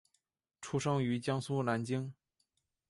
出生于江苏南京。